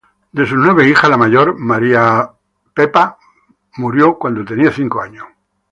De sus nueve hijas, la mayor Mary Emma Frances murió cuando tenía cinco años.